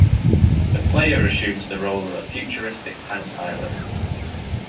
The player assumes the role of a futuristic tank pilot.